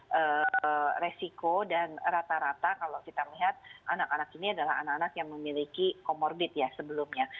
dan resiko dan rata rata kalau kita melihat anak anak ini adalah anak anak yang memiliki comorbid ya sebelumnya